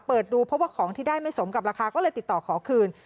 ดูเพราะว่าของที่ได้ไม่สมกับราคาก็เลยติดต่อขอคืน